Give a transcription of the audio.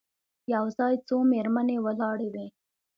یو ځای څو مېرمنې ولاړې وې.